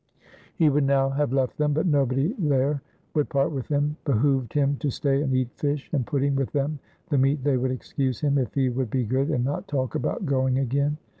He would now have left them, but nobody there would part with him; behooved him to stay and eat fish and pudding with them the meat they would excuse him if he would be good and not talk about going again.